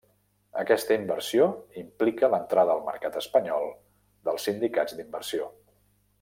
Aquesta inversió implica l'entrada al mercat espanyol dels sindicats d'inversió.